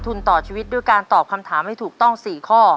ต่อชีวิตด้วยการตอบคำถามให้ถูกต้อง๔ข้อ